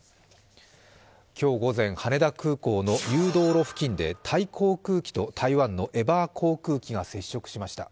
今日午前、羽田空港の誘導路付近でタイ航空機と台湾のエバー航空機が接触しました。